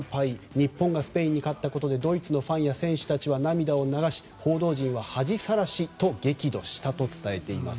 日本がスペインに勝ったことでドイツのファンや選手たちは涙を流し報道陣は恥さらしと激怒したと伝えています。